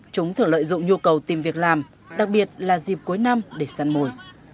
chúng thường lợi dụng nhu cầu tìm việc làm đặc biệt là dịp cuối năm để săn mồi